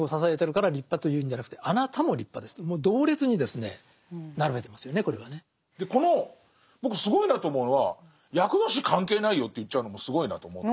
だから内助の功でこの僕すごいなと思うのは厄年関係ないよと言っちゃうのもすごいなと思って。